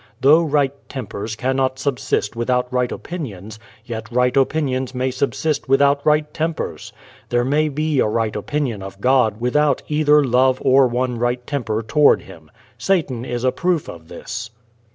Though right tempers cannot subsist without right opinions, yet right opinions may subsist without right tempers. There may be a right opinion of God without either love or one right temper toward Him. Satan is a proof of this."